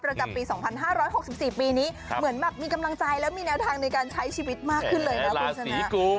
ประจำปี๒๕๖๔ปีนี้เหมือนแบบมีกำลังใจแล้วมีแนวทางในการใช้ชีวิตมากขึ้นเลยนะคุณชนะ